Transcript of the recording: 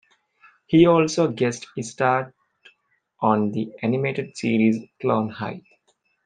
He also guest starred on the animated series "Clone High".